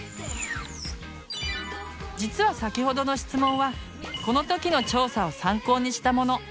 実は先ほどの質問はこの時の調査を参考にしたもの。